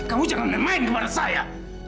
kamu jangan main main kepada saya